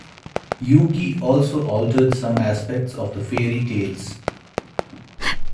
Yuki also altered some aspects of the fairy tales.